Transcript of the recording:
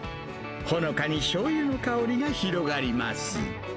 ほのかにしょうゆの香りが広がります。